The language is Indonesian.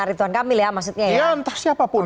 erick thohir kamil ya maksudnya ya ya entah siapapun